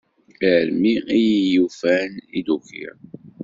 Armi i yi-ifuten i d-ukiɣ.